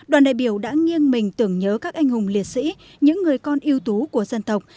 đoàn đại biểu đã nghiêng mình tưởng nhớ các anh hùng liệt sĩ những người con yêu tú của dân tộc